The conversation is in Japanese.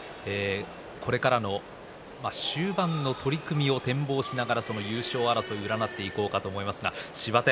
これからの終盤の取組を展望しながら優勝争いを占っていきます。